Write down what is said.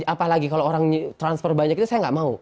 apalagi kalau orang transfer banyak itu saya nggak mau